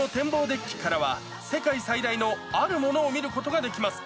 デッキからは、世界最大のあるものを見ることができます。